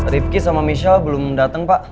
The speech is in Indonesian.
ripki sama michelle belum dateng pak